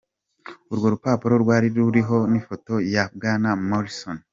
Urwo rupapuro rwari ruriho n'ifoto ya Bwana Morrison.